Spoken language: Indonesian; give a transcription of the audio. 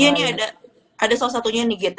iya nih ada salah satunya nih gitu